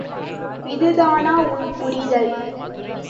இதுதானா உன் புரிதல்?